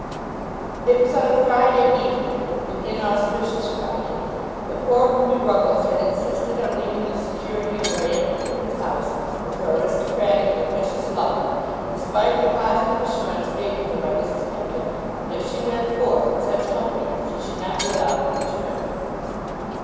It was on a Friday evening, an inauspicious Friday, that poor Ruby Ruggles had insisted on leaving the security of her Aunt Pipkin's house with her aristocratic and vicious lover, in spite of the positive assurance made to her by Mrs. Pipkin that if she went forth in such company she should not be allowed to return.